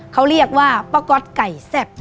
เขาเรียกว่าป้าก๊อตไก่แซ่บ